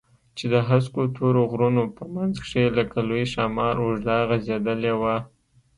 چې د هسکو تورو غرونو په منځ کښې لکه لوى ښامار اوږده غځېدلې وه.